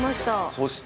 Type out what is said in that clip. そして。